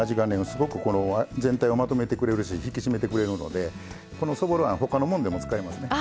すごくこの全体をまとめてくれるし引き締めてくれるのでこのそぼろあん他のもんでも使えますね。